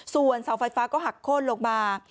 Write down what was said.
ส่วนเสาไฟฟ้าก็หักโค้นลงมา